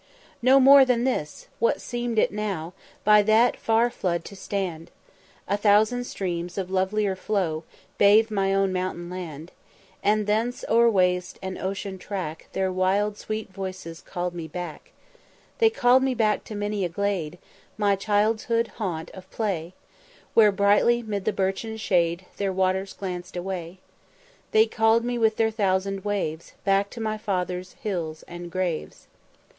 "No more than this! what seem'd it now By that far flood to stand? A thousand streams of lovelier flow Bathe my own mountain land, And thence o'er waste and ocean track Their wild sweet voices call'd me back. They call'd me back to many a glade, My childhood's haunt of play, Where brightly 'mid the birchen shade Their waters glanced away: They call'd me with their thousand waves Back to my fathers' hills and graves."